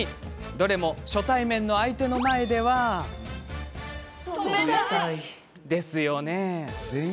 どれも初対面の相手の前では。ですよね？